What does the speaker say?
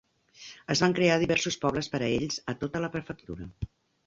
Es van crear diversos pobles per a ells a tota la prefectura.